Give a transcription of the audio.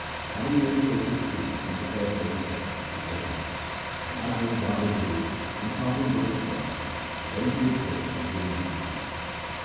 Having made sacred food, and pre pared for his death, he lay down. Then uttering ' Wahguru ', and parting with his body, he went to his repose at Guru Nanak's feet.